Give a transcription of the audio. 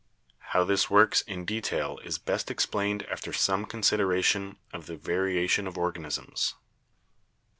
How this works in detail is best ex plained after some consideration of the variation of organ isms.